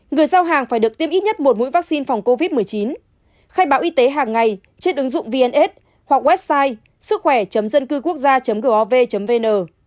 người giao hàng phải được tiêm ít nhất một mũi vaccine phòng covid một mươi chín khai báo y tế hàng ngày trên ứng dụng vns hoặc website sứckhỏe dâncưquốc gia gov vn